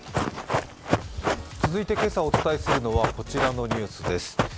続いて今朝お伝えするのはこのニュースです。